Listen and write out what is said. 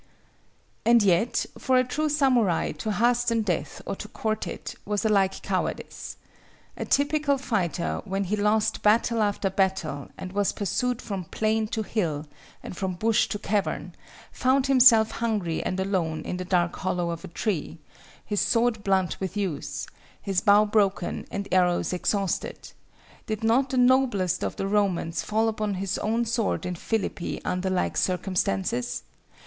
And yet, for a true samurai to hasten death or to court it, was alike cowardice. A typical fighter, when he lost battle after battle and was pursued from plain to hill and from bush to cavern, found himself hungry and alone in the dark hollow of a tree, his sword blunt with use, his bow broken and arrows exhausted—did not the noblest of the Romans fall upon his own sword in Phillippi under like circumstances?